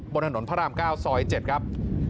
บนถนนพระราม๙ซอย๗ครับ